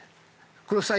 黒須さん